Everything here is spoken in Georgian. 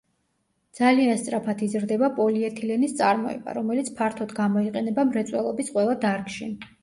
ძალიან სწრაფად იზრდება პოლიეთილენის წარმოება, რომელიც ფართოდ გამოიყენება მრეწველობის ყველა დარგში.